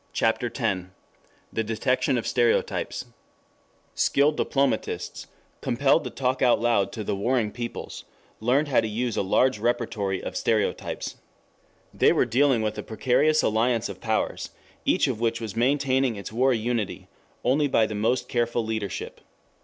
CHAPTER X THE DETECTION OF STEREOTYPES 1 Skilled diplomatists, compelled to talk out loud to the warring peoples, learned how to use a large repertory of stereotypes. They were dealing with a precarious alliance of powers, each of which was maintaining its war unity only by the most careful leadership.